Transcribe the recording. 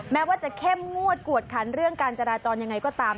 แม้ว่าจะเข้มงวดกวดขันเรื่องการจราจรยังไงก็ตาม